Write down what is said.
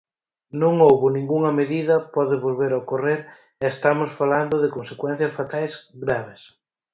Non houbo ningunha medida, pode volver ocorrer, e estamos falando de consecuencias fatais graves.